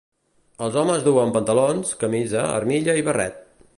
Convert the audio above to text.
Els homes duen pantalons, camisa, armilla i barret.